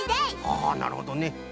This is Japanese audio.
あなるほどね。